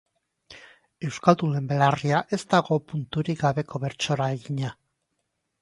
Euskaldunen belarria ez dago punturik gabeko bertsora egina.